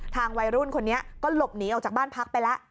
วัยรุ่นคนนี้ก็หลบหนีออกจากบ้านพักไปแล้ว